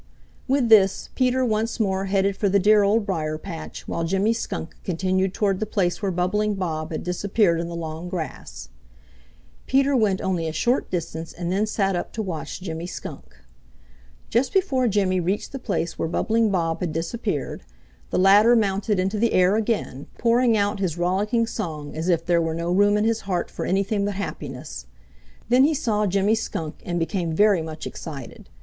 With this, Peter once more headed for the dear Old Briar patch, while Jimmy Skunk continued toward the place where Bubbling Bob had disappeared in the long grass. Peter went only a short distance and then sat up to watch Jimmy Skunk. Just before Jimmy reached the place where Bubbling Bob had disappeared, the latter mounted into the air again, pouring out his rollicking song as if there were no room in his heart for anything but happiness. Then he saw Jimmy Shrunk and became very much excited.